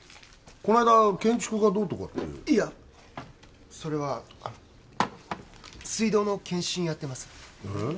この間建築がどうとかっていやそれは水道の検針やってますええ？